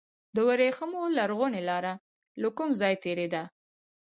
د وریښمو لرغونې لاره له کوم ځای تیریده؟